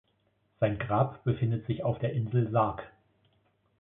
Sein Grab befindet sich auf der Insel Sark.